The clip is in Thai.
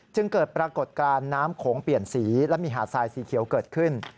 จึงเกิดปรากฏการณ์น้ำโขงเปลี่ยนสีและมีหาดทรายสีเขียวเกิดขึ้น